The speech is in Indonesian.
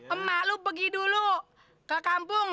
emak lo pergi dulu ke kampung